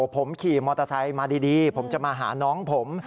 ผมขี่มอเตอร์ไซค์มาดีผมจะมาหาน้องผม